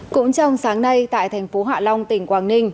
cũng trong sáng nay tại thành phố hạ long tỉnh quảng ninh